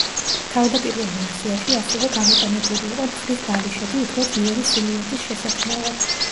თავდაპირველ ვერსიაში ასევე გამოყენებული იყო მხრის ბალიშები უფრო ძლიერი სილუეტის შესაქმნელად.